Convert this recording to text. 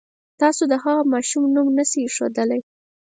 تاسو د هغه ماشوم نوم نه شئ اېښودلی.